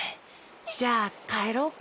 じゃあかえろうか。